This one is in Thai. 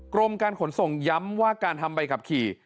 กรมการขนส่งย้ำว่าการทำใบขับขี่